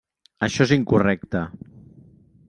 Això és incorrecte.